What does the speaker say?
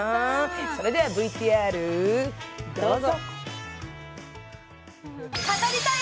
それではＶＴＲどうぞ！